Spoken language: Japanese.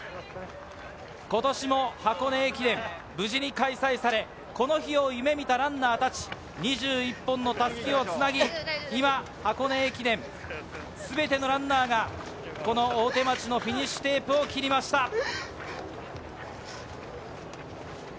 今年も箱根駅伝、無事に開催され、この日を夢見たランナーたち、２１本の襷を繋ぎ、箱根駅伝、すべてのランナーが大手町のフィニッシュテープを切りました。